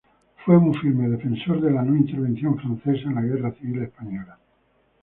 Fue un firme defensor de la No Intervención francesa en la Guerra Civil Española.